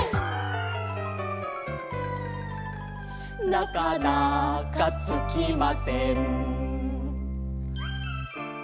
「なかなかつきません」